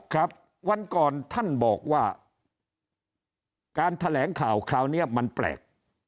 ครับวันก่อนท่านบอกว่าการแถลงข่าวคราวนี้มันแปลก